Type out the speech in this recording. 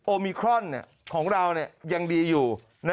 มิครอนของเรายังดีอยู่